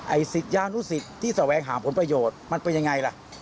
ไอ้ศิษยานุศิษย์ที่สวงแห่งหาผลประโยชน์มันเป็นอย่างไรล่ะ